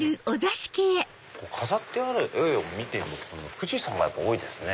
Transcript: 飾ってある絵を見ても富士山が多いですね。